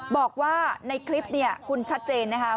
บอกว่าในคลิปเนี่ยคุณชัดเจนนะคะ